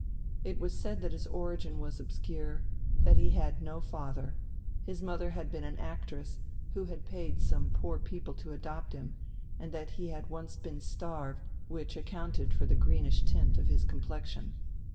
It was said that his origin was obscure, that he had no father, his mother had been an actress who had paid some poor people to adopt him, and that he had once been starved, which accounted for the greenish tint of his complexion.